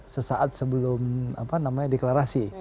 sesaat sebelum deklarasi